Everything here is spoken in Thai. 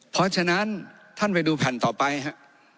เพราะฉะนั้นท่านไปดูแผ่นต่อไปฮะ